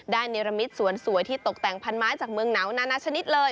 นิรมิตสวนสวยที่ตกแต่งพันไม้จากเมืองหนาวนานาชนิดเลย